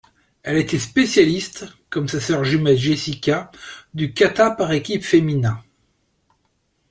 Elle était spécialiste, comme sa sœur jumelle Jessica, du kata par équipe féminin.